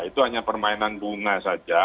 itu hanya permainan bunga saja